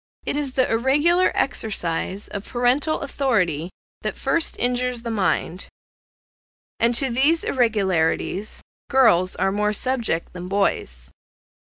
It is the irregular exercise of parental authority that first injures the mind, and to these irregularities girls are more subject than boys.